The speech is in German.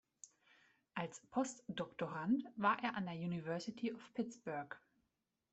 Als Post-Doktorand war er an der University of Pittsburgh.